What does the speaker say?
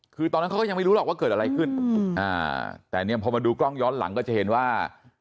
คือตอนนั้นเขาก็ยังไม่รู้หรอกว่าเกิดอะไรขึ้นแต่เนี่ยพอมาดูกล้องย้อนหลังก็จะเห็นว่า